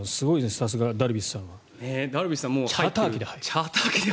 さすがダルビッシュさんは。